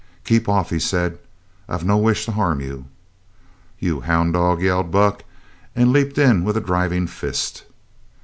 "Keep off," he said. "I've no wish to harm you." "You houn' dog!" yelled Buck, and leaped in with a driving fist.